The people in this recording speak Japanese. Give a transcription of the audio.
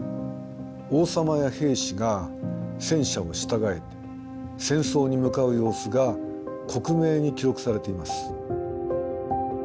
王様や兵士が戦車を従えて戦争に向かう様子が克明に記録されています。